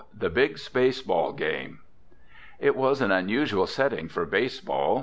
THE BIG SPACE BALL GAME It was an unusual setting for baseball.